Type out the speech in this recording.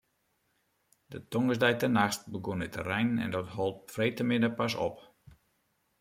De tongersdeitenachts begûn it te reinen en dat hold op freedtemiddei pas op.